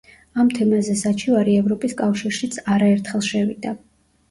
ამ თემაზე საჩივარი ევროპის კავშირშიც არაერთხელ შევიდა.